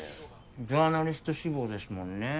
ジャーナリスト志望ですもんね。